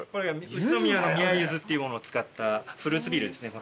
宇都宮の宮柚子っていうものを使ったフルーツビールですね。